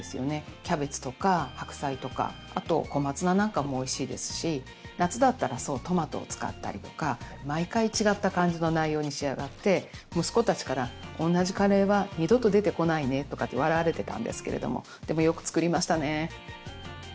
キャベツとか白菜とかあと小松菜なんかもおいしいですし夏だったらトマトを使ったりとか毎回違った感じの内容に仕上がって息子たちからおんなじカレーは二度と出てこないねとかって笑われてたんですけれどもでもよく作りましたね。